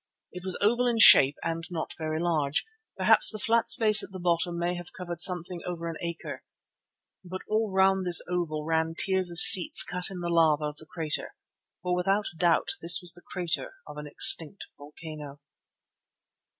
It was oval in shape and not very large, perhaps the flat space at the bottom may have covered something over an acre, but all round this oval ran tiers of seats cut in the lava of the crater. For without doubt this was the crater of an extinct volcano.